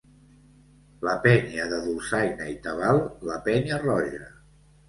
La penya de dolçaina i tabal La Penya roja.